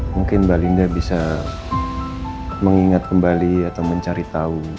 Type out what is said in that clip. mungkin mbak linda bisa mengingat kembali atau mencari tahu